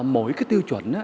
mỗi cái tiêu chuẩn